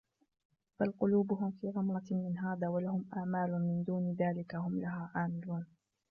بل قلوبهم في غمرة من هذا ولهم أعمال من دون ذلك هم لها عاملون